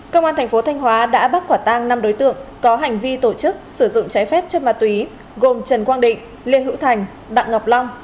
công an thành phố thanh hóa đã bắt quả tang năm đối tượng có hành vi tổ chức sử dụng trái phép chất ma túy gồm trần quang định lê hữu thành đặng ngọc long